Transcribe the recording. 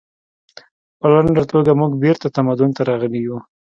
په لنډه توګه موږ بیرته تمدن ته راغلي یو